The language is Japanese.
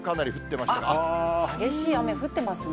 激しい雨、降ってますね。